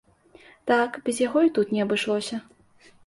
Так, без яго і тут не абышлося.